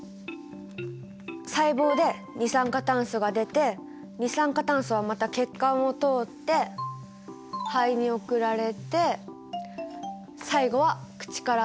細胞で二酸化炭素が出て二酸化炭素はまた血管を通って肺に送られて最後は口から出る。